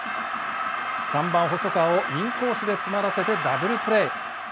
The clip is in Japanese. ３番細川をインコースで詰まらせてダブルプレー。